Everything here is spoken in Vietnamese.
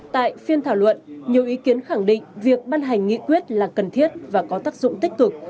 tại phiên thảo luận nhiều ý kiến khẳng định việc ban hành nghị quyết là cần thiết và có tác dụng tích cực